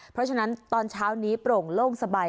เพราะฉะนั้นตอนเช้านี้โปร่งโล่งสบาย